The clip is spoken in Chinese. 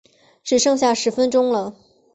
只剩下十分钟了